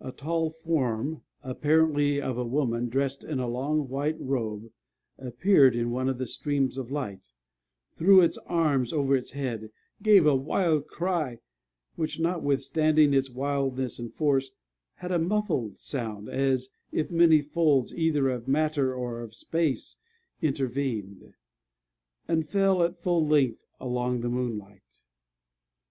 A tall form, apparently of a woman, dressed in a long white robe, appeared in one of the streams of light, threw its arms over its head, gave a wild cry which, notwithstanding its wildness and force, had a muffled sound, as if many folds, either of matter or of space, intervened and fell at full length along the moonlight.